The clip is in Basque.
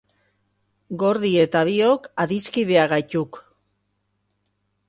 Gordy eta biok adiskideak gaituk.